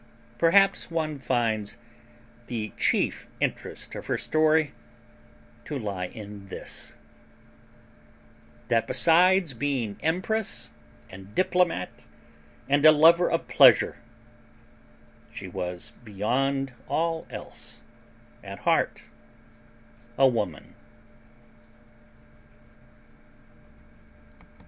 But perhaps one finds the chief interest of her story to lie in this that besides being empress and diplomat and a lover of pleasure she was, beyond all else, at heart a woman.